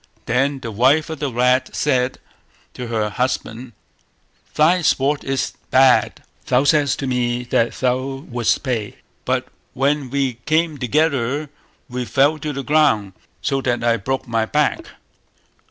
Then the wife of the rat said to her husband "Thy sport is bad; thou saidst to me that thou wouldst play, but when we came together we fell to the ground, so that I broke my back".